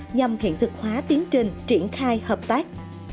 nhằm hiện thực hóa tiến trình triển khai hợp tác